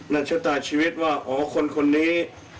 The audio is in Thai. ในชะตาชีวิตว่าอ๋อคนนี้